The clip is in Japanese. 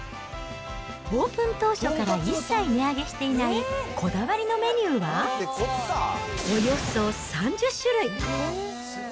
オープン当初から一切値上げしていないこだわりのメニューは、およそ３０種類。